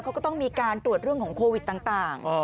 เขาก็ต้องมีการตรวจเรื่องของโควิดต่าง